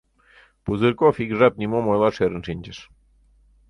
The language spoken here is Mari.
Пузырьков ик жап нимом ойлаш ӧрын шинчыш.